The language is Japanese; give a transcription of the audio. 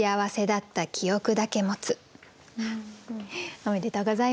おめでとうございます。